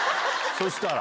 そしたら。